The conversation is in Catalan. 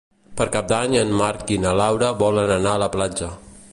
Per Cap d'Any en Marc i na Laura volen anar a la platja.